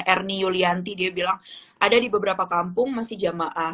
ernie yulianti dia bilang ada di beberapa kampung masih jamaah